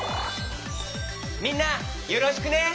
みんなよろしくね！